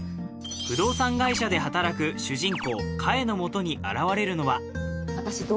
不動産会社で働く主人公かえのもとに現れるのは私奴隷？